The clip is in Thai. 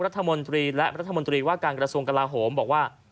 รัฐมนตรีและรัฐมนตรีว่าการกระทรวงกลาโหมบอกว่า